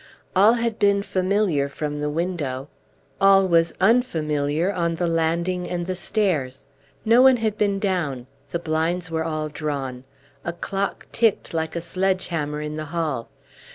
All had been familiar from the window; all was unfamiliar on the landing and the stairs. No one had been down; the blinds were all drawn; a clock ticked like a sledge hammer in the hall.